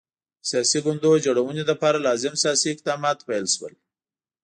د سیاسي ګوندونو جوړونې لپاره لازم سیاسي اقدامات پیل شول.